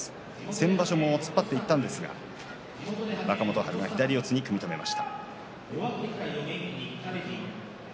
先場所も突っ張っていったんですが若元春が左四つに組み止めました。